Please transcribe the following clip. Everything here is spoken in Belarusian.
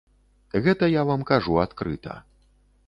Гэта я вам кажу адкрыта.